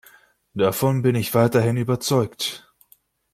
Davon bin ich weiterhin überzeugt.